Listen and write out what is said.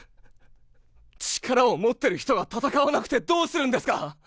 力を持ってる人が戦わなくてどうするんですか。